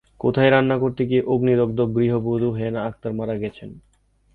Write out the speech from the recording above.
কোথায় রান্না করতে গিয়ে অগ্নিদগ্ধ গৃহবধূ হেনা আক্তার মারা গেছেন?